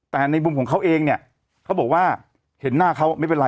แต่ในมุมของเขาเองเนี่ยเขาบอกว่าเห็นหน้าเขาไม่เป็นไร